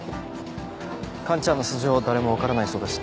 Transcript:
カンちゃんの素性誰も分からないそうです。